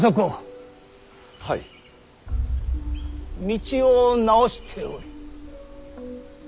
道を直しておる。